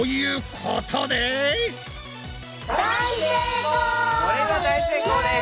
これは大成功です！